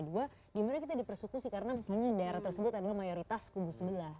dimana kita dipersekusi karena misalnya daerah tersebut adalah mayoritas kubu sebelah